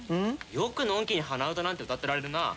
よくのんきに鼻歌なんて歌ってられるな。